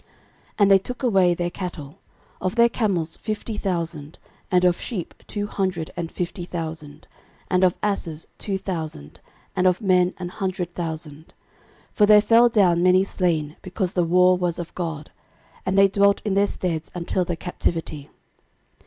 13:005:021 And they took away their cattle; of their camels fifty thousand, and of sheep two hundred and fifty thousand, and of asses two thousand, and of men an hundred thousand. 13:005:022 For there fell down many slain, because the war was of God. And they dwelt in their steads until the captivity.